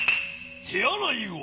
てあらいは。